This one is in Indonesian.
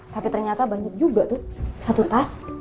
tapi ternyata banyak juga tuh satu tas